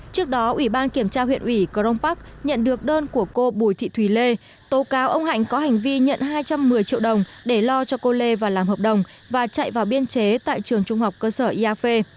trước đó ủy ban kiểm tra huyện ủy crong park nhận được đơn của cô bùi thị thùy lê tố cáo ông hạnh có hành vi nhận hai trăm một mươi triệu đồng để lo cho cô lê và làm hợp đồng và chạy vào biên chế tại trường trung học cơ sở ia phê